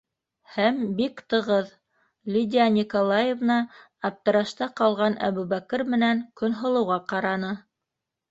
Һәм бик тығыҙ, - Лидия Николаевна аптырашта ҡалған Әбүбәкер менән Көнһылыуға ҡараны.